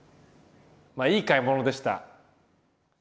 いい買い物でした。